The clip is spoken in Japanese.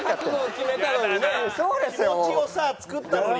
気持ちをさ作ったのに。